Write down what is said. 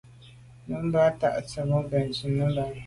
Nummb’a ta tsemo’ benntùn nebame.